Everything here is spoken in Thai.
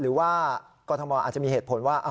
หรือว่ากรทมอาจจะมีเหตุผลว่า